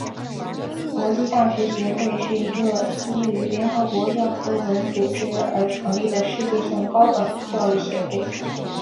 国际大学协会是一个基于联合国教科文组织而成立的世界性高等教育协会。